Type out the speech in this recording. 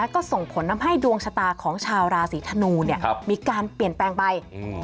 ก็ส่งผลทำให้ดวงชะตาของชาวราศีธนูเนี่ยมีการเปลี่ยนแปลงไป